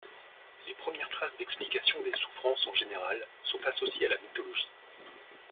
Les premières traces d'explications des souffrances en général sont associées à la mythologie.